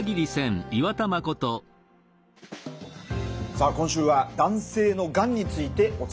さあ今週は男性のがんについてお伝えしていきます。